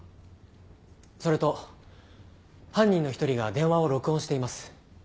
それと犯人の１人が電話を録音しています。